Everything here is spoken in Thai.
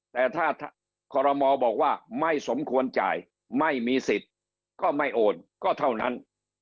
แต่ถ้าคอรมอบอกว่าไม่สมควรจ่ายไม่มีสิทธิ์ก็ไม่โอนก็เท่านั้น